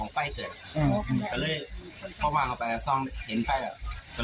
เอาไฟดึงนั่งจากบ้านเข้าไปแน่